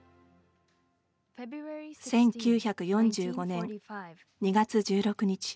１９４５年２月１６日。